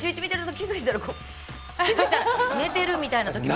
気付いたら、寝てるみたいなときも。